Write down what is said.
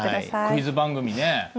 クイズ番組ね。